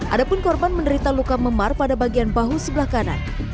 adapun korban menderita luka memar pada bagian bahu sebelah kanan